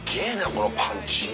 このパンチ。